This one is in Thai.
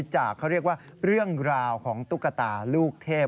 จากเขาเรียกว่าเรื่องราวของตุ๊กตาลูกเทพ